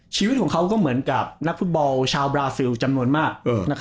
ชีวิตของเขาก็เหมือนกับนักฟุตบอลชาวบราซิลจำนวนมาก